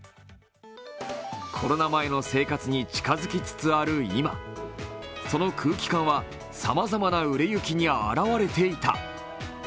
コロナ前の生活に近づきつつある今その空気感はさまざまな売れ行きに現れていた。